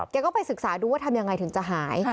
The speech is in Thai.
ต้องไปศึกษาดูว่าทำยังไงถึงจะหาย